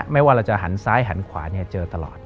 ไม่ว่าเราจะหันซ้ายหันขวาเจอตลอด